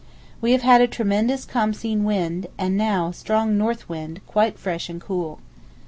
We have had a tremendous Khamseen wind, and now a strong north wind quite fresh and cool.